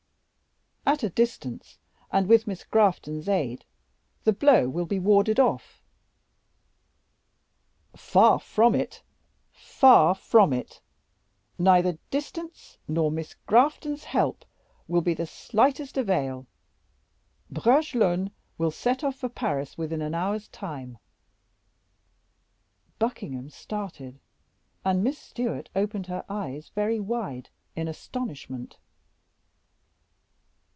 "At a distance, and with Miss Grafton's aid, the blow will be warded off." "Far from it, far from it; neither distance nor Miss Grafton's help will be of the slightest avail. Bragelonne will set off for Paris within an hour's time." Buckingham started, and Miss Stewart opened her eyes very wide in astonishment.